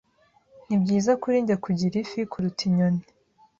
Nibyiza kuri njye kugira ifi kuruta inyoni.